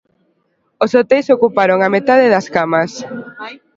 Os hoteis ocuparon a metade das camas.